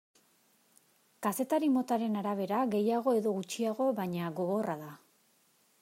Kazetari motaren arabera gehiago edo gutxiago, baina, gogorra da.